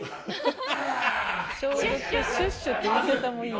消毒シュッシュって言い方もいいよね。